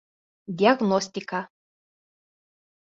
Диагностика.